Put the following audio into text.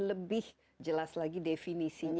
lebih jelas lagi definisinya